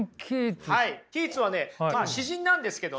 キーツはねまあ詩人なんですけどね。